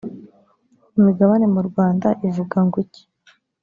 imigabane murwanda ivuga ngwiki.